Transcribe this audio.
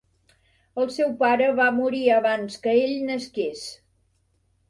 El seu pare va morir abans que ell nasqués.